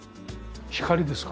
光ですか？